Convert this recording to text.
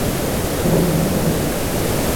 সে বলল, তোমার কোন ক্ষতি হবে না।